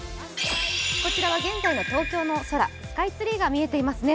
こちらは現在の東京の空、スカイツリーが見えてますね。